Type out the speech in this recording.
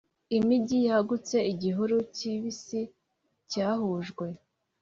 imijyi yagutse igihuru kibisi cyahujwe;